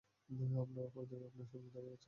আপনার অপরাধী আপনার সামনেই দাঁড়িয়ে আছে।